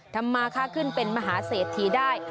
ทำมาค่าขึ้นเป็นมหาเศรษฐีได้